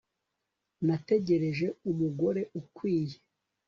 Ntegereje umugore ukwiye